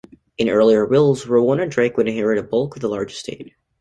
In earlier wills, Rowena Drake would inherit the bulk of the large estate.